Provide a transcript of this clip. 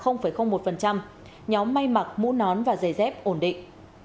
nhóm may mặc mũ nón và giày dép ổn định